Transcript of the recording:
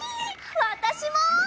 わたしも！